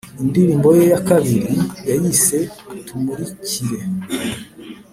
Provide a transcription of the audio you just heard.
Indirimbo ye ya kabiri yayise Tumurikire